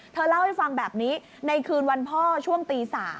เธอเล่าให้ฟังแบบนี้ในคืนวันพ่อช่วงตี๓